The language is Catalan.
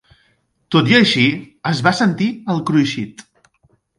Tot i així, es va sentir el cruixit.